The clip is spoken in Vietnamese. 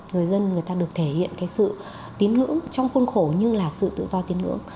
người dân người ta được thể hiện cái sự tín ngưỡng trong khuôn khổ như là sự tự do tín ngưỡng